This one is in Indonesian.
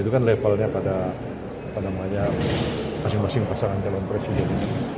itu kan levelnya pada masing masing pasangan calon presiden